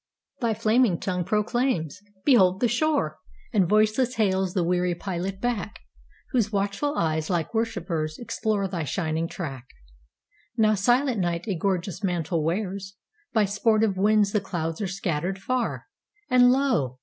Thy flaming tongue proclaims—"Behold the shore!"And voiceless hails the weary pilot back, Whose watchful eyes, like worshippers, exploreThy shining track. Now silent night a gorgeous mantle wears, By sportive winds the clouds are scattered far, And lo!